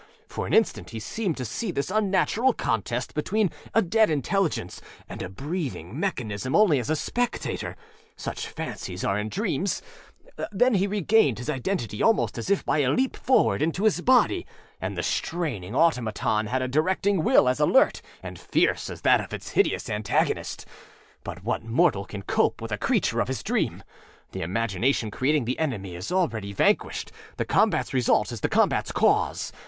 For an instant he seemed to see this unnatural contest between a dead intelligence and a breathing mechanism only as a spectatorâsuch fancies are in dreams; then he regained his identity almost as if by a leap forward into his body, and the straining automaton had a directing will as alert and fierce as that of its hideous antagonist. But what mortal can cope with a creature of his dream? The imagination creating the enemy is already vanquished; the combatâs result is the combatâs cause.